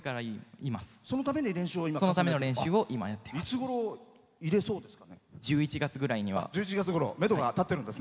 そのための練習を今やってます。